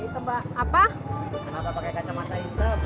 kenapa pakai kacamata hitam